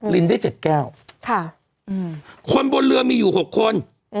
ลินได้๗แก้วคนบนเรือมีอยู่๖คน